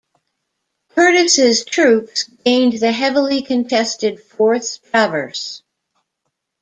Curtis's troops gained the heavily contested fourth traverse.